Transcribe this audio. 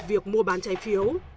việc mua bán trái phiếu